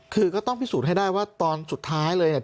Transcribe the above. คือก็ต้องพิสูจน์ให้ได้ว่าตอนสุดท้ายเลยเนี่ย